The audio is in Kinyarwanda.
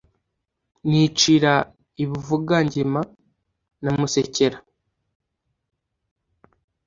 nicira i Buvugangema na Musekera